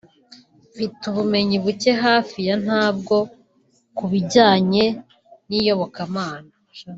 Mfite ubumenyi buke hafi ya ntabwo ku bijyanye n’iyobokamana